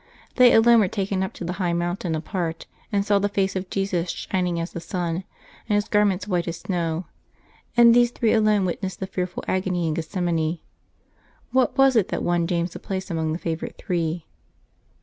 They alone were taken up to the high mountain apart, and saw the face of Jesus shining as the sun, and His garments white as snow; and these three alone wit nessed the fearful agony in Gethsemane. What was it that won James a place among the favorite three